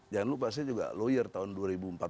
jangan lupa saya juga lawyer tahun dua ribu empat belas